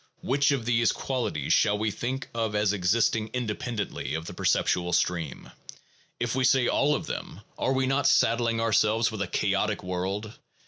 Which of these qualities shall we think of as existing independently of the perceptual stream? If we say all of them, are we not saddling ourselves with a chaotic world?